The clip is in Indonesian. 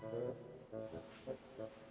wah masih sepi nih